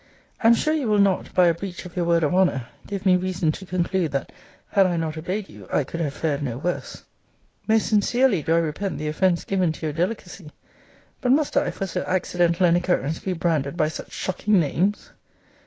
I am sure you will not, by a breach of your word of honour, give me reason to conclude that, had I not obeyed you, I could have fared no worse. Most sincerely do I repent the offence given to your delicacy But must I, for so accidental an occurrence, be branded by such shocking names?